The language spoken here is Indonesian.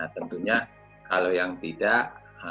tentunya kalau yang tidak